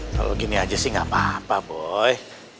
kalau gini aja sih gak apa apa boy